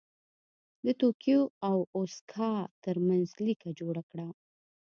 د توکیو او اوساکا ترمنځ لیکه جوړه کړه.